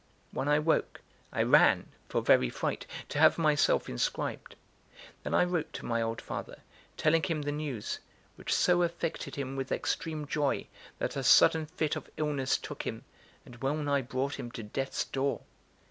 When I woke, I ran, for very fright, to have myself inscribed. Then I wrote to my old father, telling him the news, which so affected him with extreme joy that a sudden fit of illness took him, and well nigh brought him to death's door.